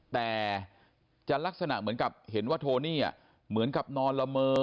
แต่จะลักษณะเหมือนกับเห็นว่าโทนี่เหมือนกับนอนละเมอ